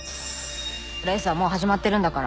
「レースはもう始まってるんだから」